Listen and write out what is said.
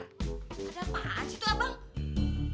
ada apaan sih itu abang